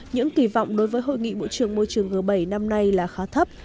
những kỳ vọng đối với hội nghị bộ trưởng môi trường g bảy năm nay là khá thấp